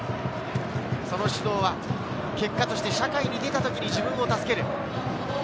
その指導は結果として社会に出た時に自分を助ける。